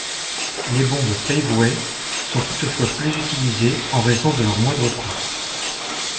Les bombes Paveway sont toutefois plus utilisées en raison de leur moindre coût.